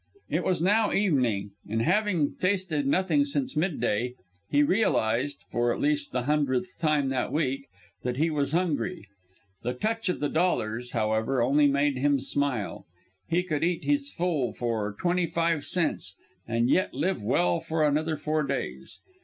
It was now evening, and having tasted nothing since mid day, he realized, for at least the hundredth time that week, that he was hungry. The touch of the dollars, however, only made him smile. He could eat his full for twenty five cents and yet live well for another four days.